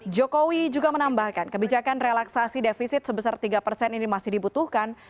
jokowi juga menambahkan kebijakan relaksasi defisit sebesar tiga persen ini masih dibutuhkan